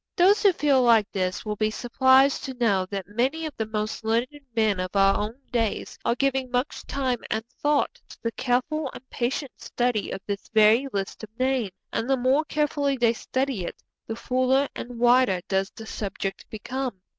Those who feel like this will be surprised to know that many of the most learned men of our own days are giving much time and thought to the careful and patient study of this very list of names; and the more carefully they study it, the fuller and wider does the subject become.